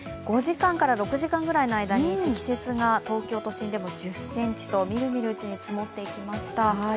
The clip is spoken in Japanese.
５時間から６時間くらいの間に積雪が東京都心でも１０ｃｍと、みるみるうちに積もっていきました。